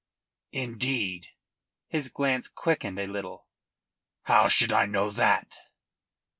"Indeed?" His glance quickened a little. "How should I know that?"